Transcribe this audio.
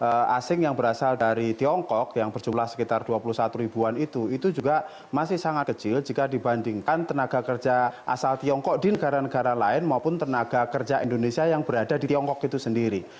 tenaga kerja asing yang berasal dari tiongkok yang berjumlah sekitar dua puluh satu ribuan itu itu juga masih sangat kecil jika dibandingkan tenaga kerja asal tiongkok di negara negara lain maupun tenaga kerja indonesia yang berada di tiongkok itu sendiri